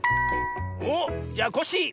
おっじゃあコッシー！